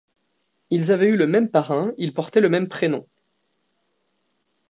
Ils avaient eu le même parrain, ils portaient le même prénom.